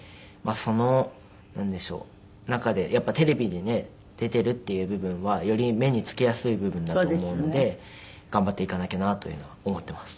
その中でやっぱりテレビにね出ているっていう部分はより目に付きやすい部分だと思うので頑張っていかなきゃなというのは思っています。